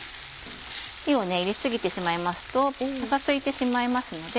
火を入れ過ぎてしまいますとパサついてしまいますので。